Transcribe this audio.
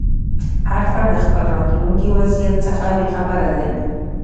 هر فرد د خپل راتلونکي وضعیت څخه بې خبره دی.